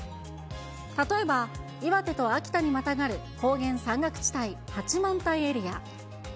例えば、岩手と秋田にまたがる、高原山岳地帯、八幡平エリア。